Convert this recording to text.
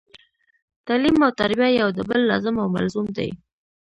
تعلیم او تربیه یو د بل لازم او ملزوم دي